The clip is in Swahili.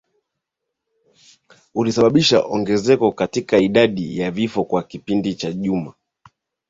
uliosababisha ongezeko katika idadi ya vifo kwa kipindi cha juma